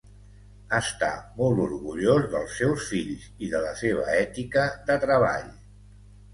Està molt orgullós dels seus fills i de la seva ètica de treball.